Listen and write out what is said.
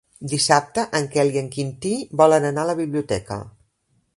Dissabte en Quel i en Quintí volen anar a la biblioteca.